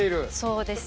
そうですね。